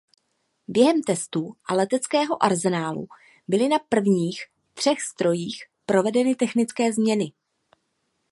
Během testů u leteckého arzenálu byly na prvních třech strojích provedeny technické změny.